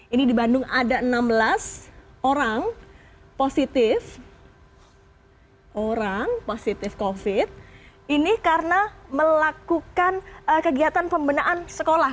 ini di bandung ada enam belas orang positif orang positif covid ini karena melakukan kegiatan pembinaan sekolah